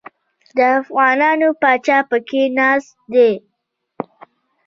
د افغانانو پاچا پکښې ناست دی.